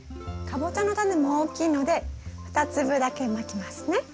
カボチャのタネも大きいので２粒だけまきますね。